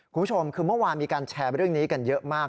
คุณผู้ชมคือเมื่อวานมีการแชร์เรื่องนี้กันเยอะมาก